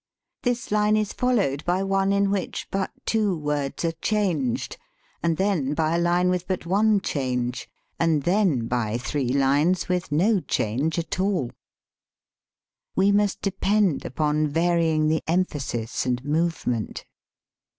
This line is followed by one in which but two words are changed, and then by a line with but one change, and then by three lines with no change at all We must depend upon vary ing the emphasis and movement.